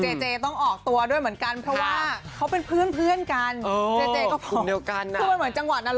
เจเจต้องออกตัวด้วยเหมือนกันเพราะว่าเขาเป็นเพื่อนกัน